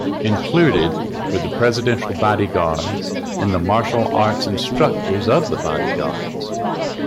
Included were the presidential bodyguards and the martial arts instructors of the bodyguards.